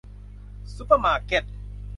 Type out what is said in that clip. ซุปเปอร์มาร์เกต